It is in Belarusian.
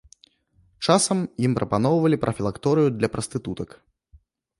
Часам ім прапаноўвалі прафілакторыю для прастытутак.